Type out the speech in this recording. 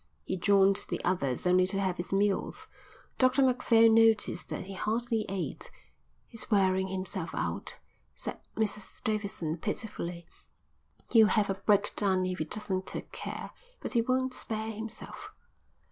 He joined the others only to have his meals. Dr Macphail noticed that he hardly ate. "He's wearing himself out," said Mrs Davidson pitifully. "He'll have a breakdown if he doesn't take care, but he won't spare himself."